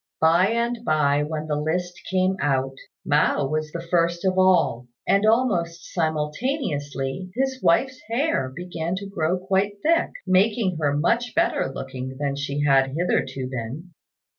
By and by when the list came out, Mao was the first of all; and almost simultaneously his wife's hair began to grow quite thick, making her much better looking than she had hitherto been.